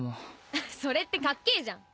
それってかっけえじゃん。